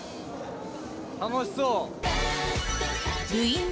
楽しそう。